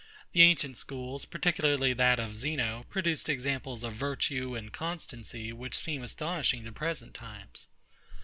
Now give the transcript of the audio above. The ancient schools, particularly that of ZENO, produced examples of virtue and constancy which seem astonishing to present times.